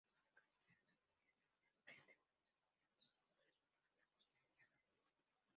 A la cabeza de su ministerio, emprende varios proyectos para transformar la justicia maliense.